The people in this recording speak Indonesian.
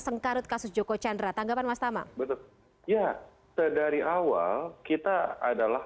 sengkarut kasus joko chandra tanggapan mas tama betul ya dari awal kita adalah